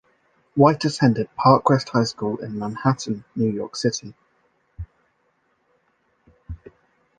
White attended Park West High School in Manhattan, New York City.